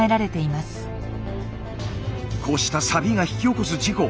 こうしたサビが引き起こす事故。